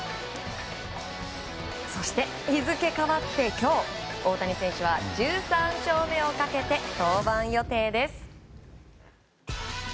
そして、日付変わって今日大谷選手は１３勝目をかけて登板予定です。